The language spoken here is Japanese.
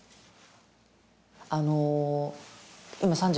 あの。